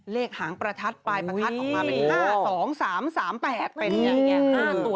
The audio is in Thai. เลขหางประทัดปลายประทัดออกมาเป็น๕๒๓๓๘เป็นอย่างนี้